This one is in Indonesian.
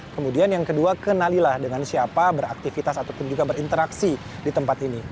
kemudian yang kedua kenalilah dengan siapa beraktivitas ataupun juga berinteraksi di tempat ini